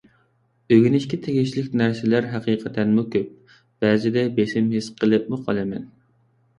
ئۆگىنىشكە تېگىشلىك نەرسىلەر ھەقىقەتەنمۇ كۆپ، بەزىدە بېسىم ھېس قىلىپمۇ قالىمەن.